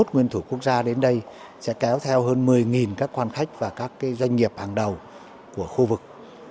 hai mươi nguyên thủ quốc gia đến đây sẽ kéo theo hơn một mươi các quan khách và các doanh nghiệp hàng đầu của khu vực